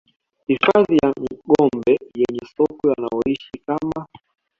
Hifadhi ya Gombe yenye sokwe wanaoishi kama